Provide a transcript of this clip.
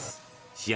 試合